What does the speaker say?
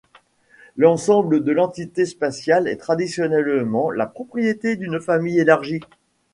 L’ensemble de l’entité spatiale est traditionnellement la propriété d’une famille élargie.